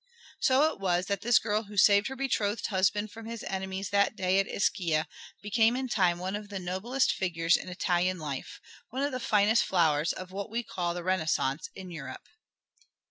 So it was that this girl who saved her betrothed husband from his enemies that day at Ischia became in time one of the noblest figures in Italian life, one of the finest flowers of what we call the Renaissance in Europe.